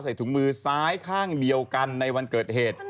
ถุงมือซ้ายข้างเดียวกันในวันเกิดเหตุ